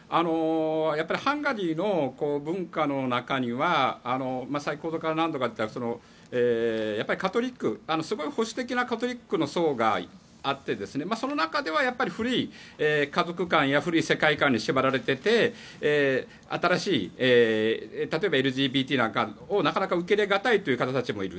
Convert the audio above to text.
ハンガリーの文化の中には先ほどから何度か出たやっぱり、すごい保守的なカトリックの層があってその中では古い家族観や古い世界観に縛られていて新しい、例えばＬＧＢＴなんかをなかなか受け入れがたい人たちがいる。